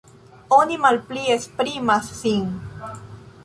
Oni malpli esprimas sin.